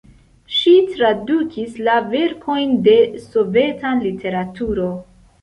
Ŝi tradukis la verkojn de sovetan literaturo.